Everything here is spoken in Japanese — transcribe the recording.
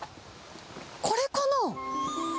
これかな？